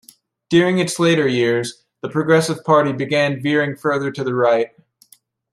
During its later years, the Progressive Party began veering further to the right.